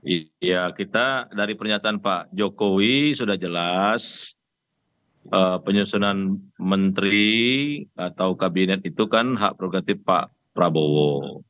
iya kita dari pernyataan pak jokowi sudah jelas penyusunan menteri atau kabinet itu kan hak progratif pak prabowo